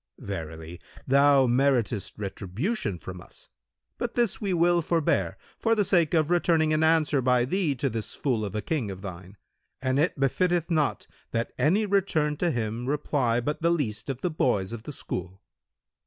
Verily, thou meritest retribution from us, but this we will forbare, for the sake of returning an answer by thee to this fool of a King of thine: and it befitteth not that any return to him reply but the least of the boys of the school."